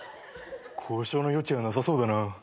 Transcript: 交渉の余地はなさそうだな。